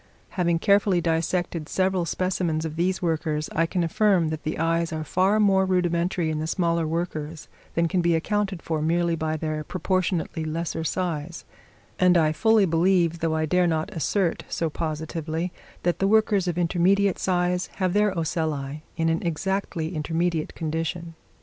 Having carefully dissected several specimens of these workers, I can affirm that the eyes are far more rudimentary in the smaller workers than can be accounted for merely by their proportionately lesser size; and I fully believe, though I dare not assert so positively, that the workers of intermediate size have their ocelli in an exactly intermediate condition.